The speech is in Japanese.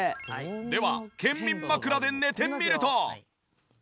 では健眠枕で寝てみると。